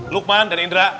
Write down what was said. lukman dan indra